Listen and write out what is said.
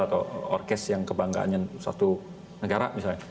atau orkes yang kebanggaannya satu negara misalnya